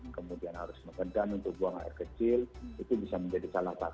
kemudian harus mengendan untuk buang air kecil itu bisa menjadi salah satu